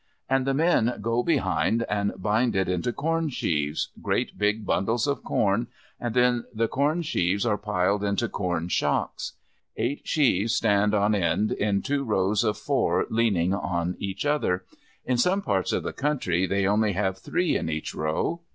And men go behind and bind it into corn sheaves, great big bundles of corn, and then the corn sheaves are piled into corn shocks. Eight sheaves stand on end in two rows of four leaning on each other. In some parts of the country they only have three in each row.